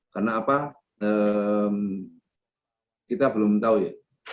karena apa kita belum tahu ya